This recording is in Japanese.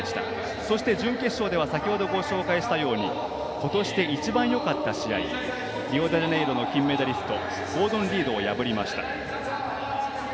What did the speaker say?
そして、準決勝では先ほどご紹介したようにことしで一番よかった試合リオデジャネイロの金メダリストゴードン・リードを破りました。